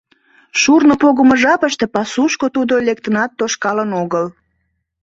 Шурно погымо жапыште пасушко тудо лектынат тошкалын огыл.